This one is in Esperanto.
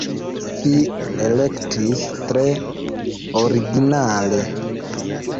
Vi elektis tre originale!